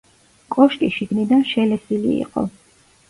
კოშკი შიგნიდან შელესილი იყო.